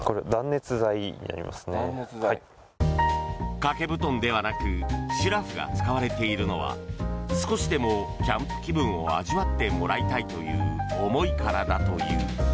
掛け布団ではなくシュラフが使われているのは少しでもキャンプ気分を味わってもらいたいという思いからだという。